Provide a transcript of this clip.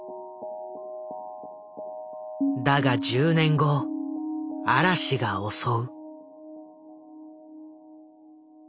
だが１０年後嵐が襲う。